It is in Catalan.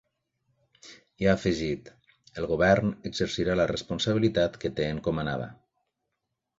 I ha afegit: El govern exercirà la responsabilitat que té encomanada.